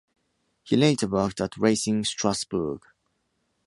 He later worked at Racing Strasbourg.